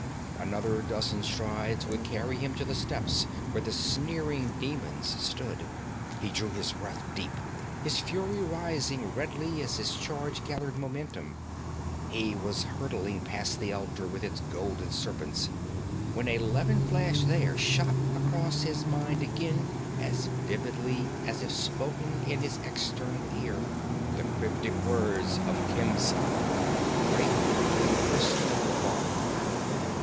Another dozen strides would carry him to the steps where the sneering demons stood. He drew his breath deep, his fury rising redly as his charge gathered momentum. He was hurtling past the altar with its golden serpents when like a levin flash there shot across his mind again as vividly as if spoken in his external ear, the cryptic words of Khemsa: '_Break the crystal ball!